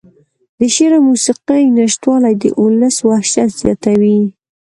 د شعر او موسيقۍ نشتوالى د اولس وحشت زياتوي.